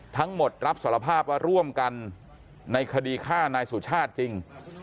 รับสารภาพว่าร่วมกันในคดีฆ่านายสุชาติจริง